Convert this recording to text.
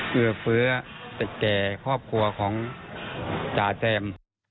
เกลือเฟื้อแต่แก่ครอบครัวของจ๋าแซม